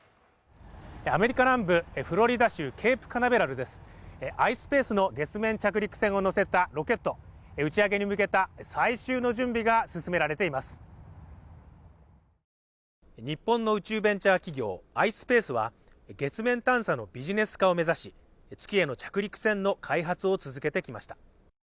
アメリカ南部フロリダ州ケープカナベラルですｉｓｐａｃｅの月面着陸船を載せたロケット打ち上げに向けた最終の準備が進められています日本の宇宙ベンチャー企業ｉｓｐａｃｅは月面探査のビジネス化を目指し月への着陸船の開発を続けてきました